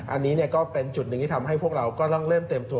อันนี้ก็เป็นจุดหนึ่งที่ทำให้พวกเราก็ต้องเริ่มเตรียมตัว